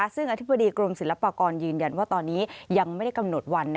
ซึ่งอธิบดีกรมศิลปากรยืนยันว่าตอนนี้ยังไม่ได้กำหนดวัน